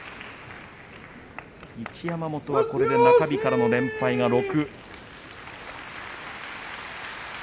一山本は、これで中日からの連敗が６。